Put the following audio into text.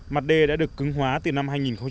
mặt đê đã được cứng hóa từ năm hai nghìn một mươi